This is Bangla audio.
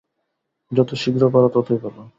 যত শীঘ্র পার, ততই ভাল।